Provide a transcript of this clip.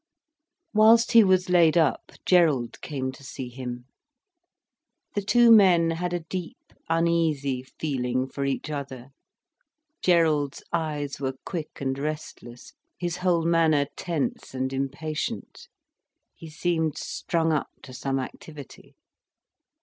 Whilst he was laid up, Gerald came to see him. The two men had a deep, uneasy feeling for each other. Gerald's eyes were quick and restless, his whole manner tense and impatient, he seemed strung up to some activity.